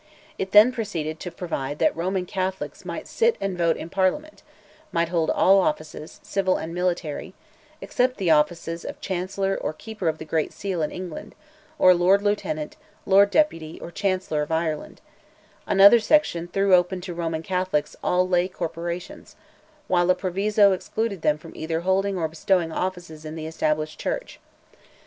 It then proceeded to provide that Roman Catholics might sit and vote in Parliament; might hold all offices, civil and military, except the offices of Chancellor or Keeper of the Great Seal in England, or Lord Lieutenant, Lord Deputy, or Chancellor of Ireland; another section threw open to Roman Catholics all lay corporations, while a proviso excluded them either from holding or bestowing benefices in the Established Church.